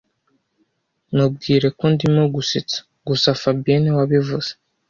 Mubwire ko ndimo gusetsa gusa fabien niwe wabivuze